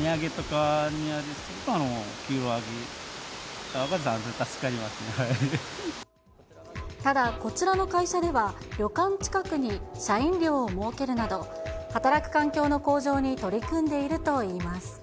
値上げとかからすると、ただ、こちらの会社では旅館近くに社員寮を設けるなど、働く環境の向上に取り組んでいるといいます。